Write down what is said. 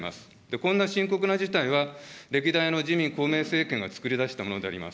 こんな深刻な事態は、歴代の自民、公明政権が作り出したものであります。